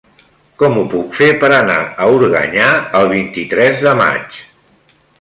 Com ho puc fer per anar a Organyà el vint-i-tres de maig?